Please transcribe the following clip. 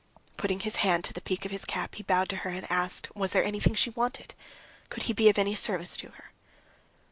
Putting his hand to the peak of his cap, he bowed to her and asked, Was there anything she wanted? Could he be of any service to her?